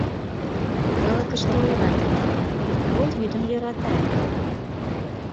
Калыкыште ойлат вет: кол вӱдым йӧрата!